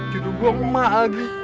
jodoh gue emak lagi